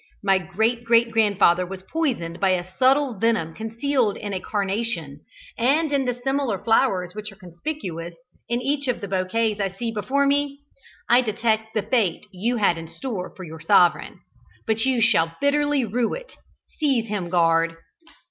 My great great grandfather was poisoned by a subtle venom concealed in a carnation, and in the similar flowers which are conspicuous in each of the bouquets I see before me, I detect the fate you had in store for your sovereign. But you shall bitterly rue it! Seize him, guard!"